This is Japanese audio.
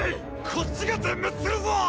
こっちが全滅するぞ！